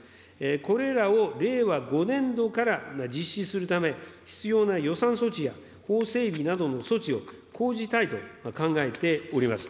これらを令和５年度から実施するため、必要な予算措置や法整備などの措置を講じたいと考えております。